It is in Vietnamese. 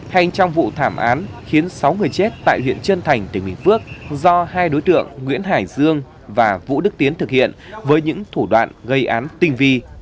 thành trong vụ thảm án khiến sáu người chết tại huyện trân thành tỉnh bình phước do hai đối tượng nguyễn hải dương và vũ đức tiến thực hiện với những thủ đoạn gây án tinh vi